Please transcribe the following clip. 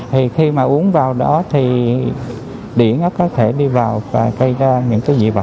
thì khi mà uống vào đó thì đĩa nó có thể đi vào và gây ra những cái dị vật như vậy